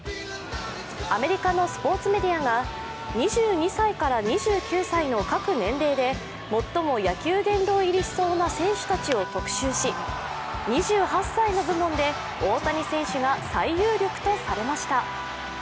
アメリカのスポーツメディアが２２歳から２９歳の各年齢で最も野球殿堂入りしそうな選手たちを特集し、２８歳の部門で大谷選手が最有力とされました。